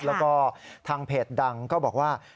แล้วก็ทางเพจดังก็บอกว่า